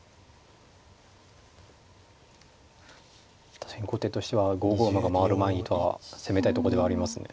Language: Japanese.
確かに後手としては５五馬が回る前にと攻めたいとこではありますね。